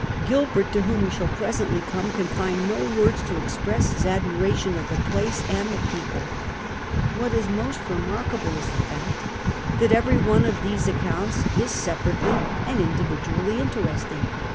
Gilbert, to whom wo shall presently come, can find no words to express his admiration of the place and the people. What is more remarkable is the fact that every one of these accounts is sejmrately and individually interesting.